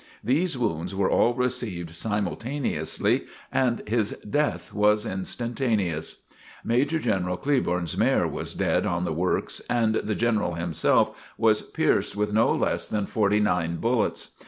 These wounds were all received simultaneously and his death was instantaneous. Major General Cleburne's mare was dead on the works and the General himself was pierced with no less than forty nine bullets.